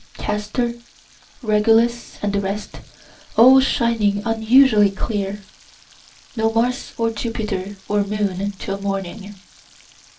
Castor, Regulus and the rest, all shining unusually clear, (no Mars or Jupiter or moon till morning.)